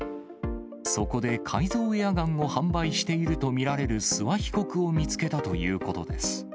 そこで、改造エアガンを販売していると見られる諏訪被告を見つけたということです。